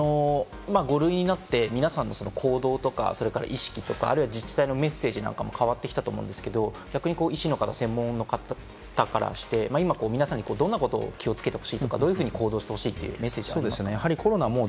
５類になって、皆さんの行動とか意識とか自治体のメッセージも変わってきたと思うんですけれども、医師の方、専門の方からして、今、皆さんにどういうことを気をつけてほしいとかどう行動してほしいとかメッセージを。